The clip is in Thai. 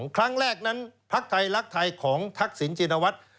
ครั้งแรกนั้นพักทัยลักทัยของทักษิณจิตวัตร